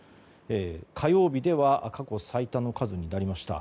火曜日では過去最多の数になりました。